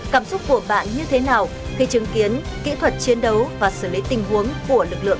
cảm xúc của bạn như thế nào khi chứng kiến kỹ thuật chiến đấu và xử lý tình huống của lực lượng